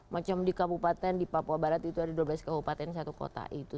macam di kabupaten di papua barat itu ada dua belas kabupaten satu kota itu